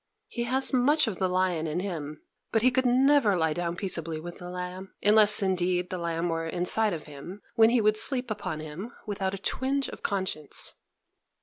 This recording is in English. He has much of the lion in him; but he never could lie down peaceably with the lamb, unless indeed the lamb were inside of him, when he would sleep upon him without a twinge of conscience.